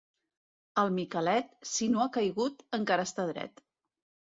El Micalet, si no ha caigut, encara està dret.